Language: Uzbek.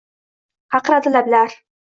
Qaqradi lablar